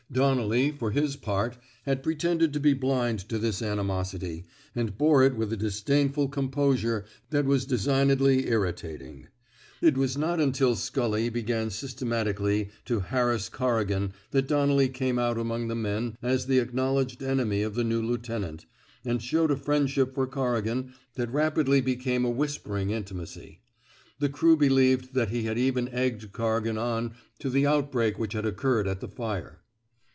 Donnelly, for his part, had pretended to be blind to this ani mosity, and bore it with a disdainful com posure that was designedly irritating. It was not until Scully began systematically to harass Corrigan that Donnelly came out among the men as the acknowledged enemy of the new lieutenant, and showed a friend ship for Corrigan that rapidly became a whispering intimacy. The crew believed that he had even egged Corrigan on to the out break which had occurred at the fire.